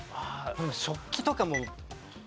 でも食器とかも。